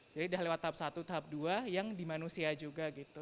jadi udah lewat tahap satu tahap dua yang di manusia juga gitu